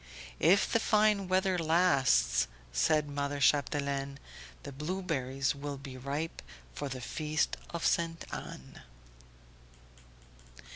"If the fine weather lasts," said mother Chapdelaine, "the blueberries will be ripe for the feast of Ste. Anne."